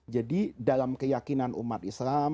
jadi dalam keyakinan umat islam